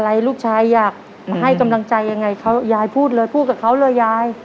อะไรลูกชายอยากมาให้กำลังใจยังไงเขายายพูดเลยพูดกับเขาเลยยาย